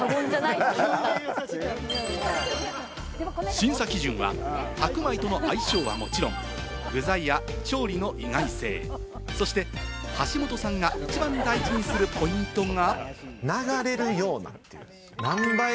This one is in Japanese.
審査基準は白米との相性はもちろん、具材や調理の意外性、そして橋本さんが一番大事にするポイントが。